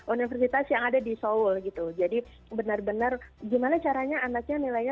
universitas yang ada di seoul gitu jadi benar benar gimana caranya anaknya nilainya